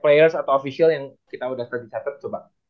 players atau official yang kita udah kelihatan coba